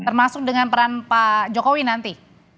termasuk dengan peran pak jokowi nanti